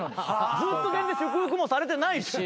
ずっと全然祝福もされてないし。